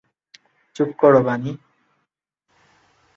চুপ করো, বানি!